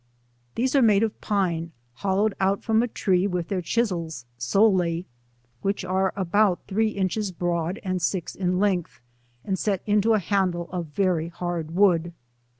These are made of pine hollowed out from a tree with their chisels solely, which are about three inches broad and six in length, and set into a handle of very hard wood.